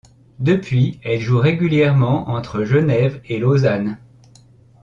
Depuis, elle joue régulièrement entre Genève et Lausanne.